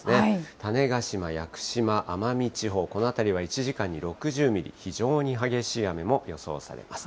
種子島、屋久島、奄美地方、この辺りは１時間に６０ミリ、非常に激しい雨も予想されます。